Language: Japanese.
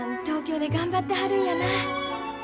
東京で頑張ってはるんやな。